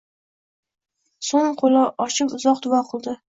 Soʻng qoʻlini ochib uzoq duo qildi